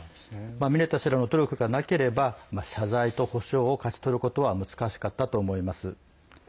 ミネタ氏の努力がなければ謝罪と補償を勝ち取ることは難しかったと思います。